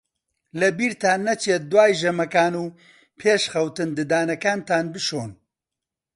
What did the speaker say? لەبیرتان نەچێت دوای ژەمەکان و پێش خەوتن ددانەکانتان بشۆن.